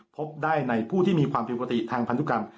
พบได้ในผู้ที่มีความผิดปกติทางพันธุกรรม